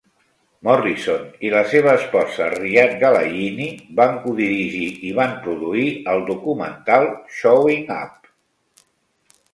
Morrison i la seva esposa Riad Galayini van codirigir i van produir el documental "Showing Up".